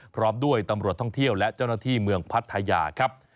พร้อมด้วยตำรวจท่องเที่ยวและเจ้าหน้าที่เมืองพัทยาครับ